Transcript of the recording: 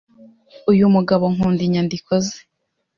Uyu mugabo nkunda inyandiko ze